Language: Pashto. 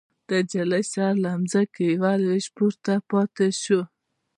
د نجلۍ سر له ځمکې يوه لوېشت پورته پاتې شو.